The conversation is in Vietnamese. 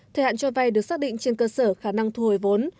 thời hạn cho vay được xác định trên cơ sở khả năng thu hồi vốn